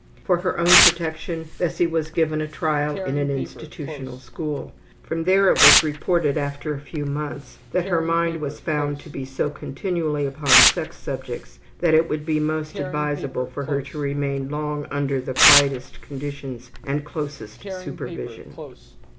For her own protection Bessie was given a trial in an institutional school. From there it was reported after a few months that her mind was found to be so continually upon sex subjects that it would be most advisable for her to remain long under the quietest conditions and closest supervision.